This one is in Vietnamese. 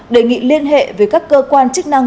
đề nghị liên hệ với các cơ quan chức năng